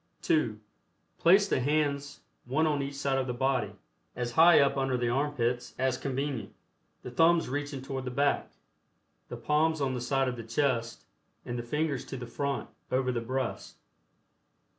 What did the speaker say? (2) Place the hands one on each side of the body, as high up under the armpits as convenient, the thumbs reaching toward the back, the palms on the side of the chest and the fingers to the front over the breast.